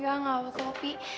ya enggak apa apa pi